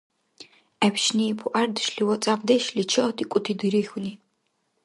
ГӀебшни, бугӀярдешли ва хӀябцдешли чахьдикӀути дирихьуни.